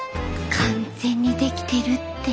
完全にできてるって。